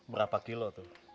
berapa kilo tuh